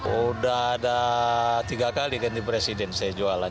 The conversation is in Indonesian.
udah ada tiga kali ganti presiden saya jualan